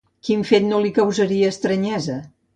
Quin fet no li causaria estranyesa?